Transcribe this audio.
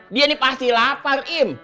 dia ini pasti lapar im